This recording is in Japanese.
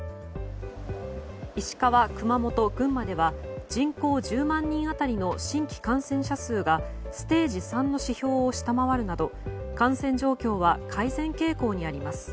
石川、熊本、群馬では人口１０万人当たりの新規感染者数がステージ３の指標を下回るなど感染状況は改善傾向にあります。